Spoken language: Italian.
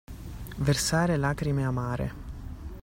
Versare lacrime amare.